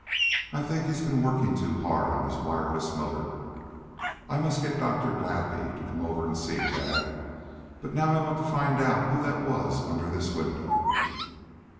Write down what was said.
"I think he's been working too hard on his wireless motor. I must get Dr. Gladby to come over and see dad. But now I want to find out who that was under this window."